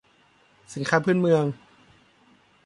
สินค้าพื้นเมือง